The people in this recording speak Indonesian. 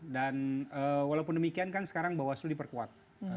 dan walaupun demikian kan sekarang bawah sel diperkuat